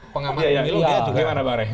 pengamanan milu dia juga